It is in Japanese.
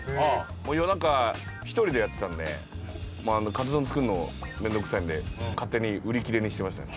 夜中、１人でやってたんで、カツ丼作るの、面倒臭いんで、勝手に売り切れにしてましたね。